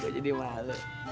gua jadi malu